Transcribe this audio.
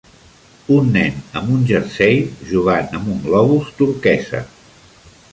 Un nen amb un jersei jugant amb un globus turquesa.